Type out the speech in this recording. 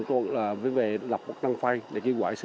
từ vài người đến vài chục người